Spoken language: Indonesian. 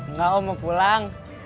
nggak om mau pulang